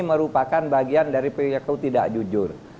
merupakan bagian dari pria kau tidak jujur